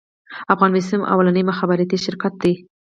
افغان بیسیم لومړنی مخابراتي شرکت دی